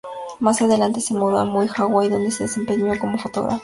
Más adelante se mudó a Maui, Hawaii, donde se desempeñó como fotógrafa.